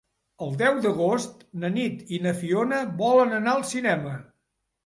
El deu d'agost na Nit i na Fiona volen anar al cinema.